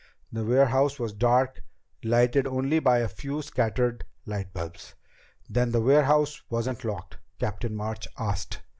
The warehouse was dark, lighted only by a few scattered light bulbs." "Then the warehouse wasn't locked?" Captain March asked.